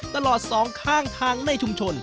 สองข้างทางในชุมชน